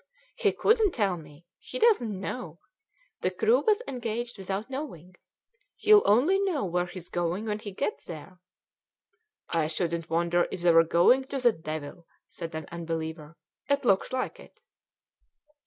"He couldn't tell me; he doesn't know; the crew was engaged without knowing. He'll only know where he's going when he gets there." "I shouldn't wonder if they were going to the devil," said an unbeliever: "it looks like it."